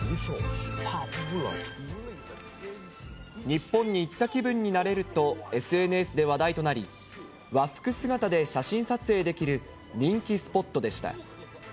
日本に行った気分になれるとＳＮＳで話題となり、和服姿で写真撮影できる人気スポットでした。